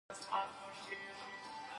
اميري چيري دئ؟